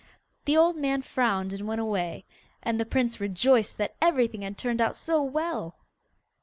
The old man frowned, and went away, and the prince rejoiced that everything had turned out so well.